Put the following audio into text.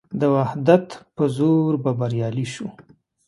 د وحدت په زور به بریالي شو.